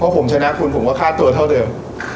ผมชนะคุณผมก็ค่าตัวเท่าเดิม